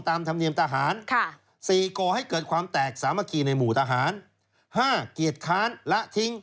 ตามธรรมเนียมทหารสี่ก่อให้เกิดความแตกสมามกี่ในหมู่ทหารห้าเกียจคร้านและทิ้ง